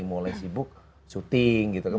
mulai sibuk syuting gitu kan